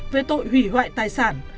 về tội hủy hoại tài sản